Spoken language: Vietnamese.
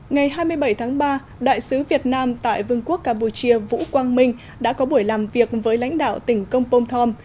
ngày hai mươi bảy tháng ba đại sứ việt nam tại vương quốc campuchia vũ quang minh đã có buổi làm việc với lãnh đạo tỉnh công pông thom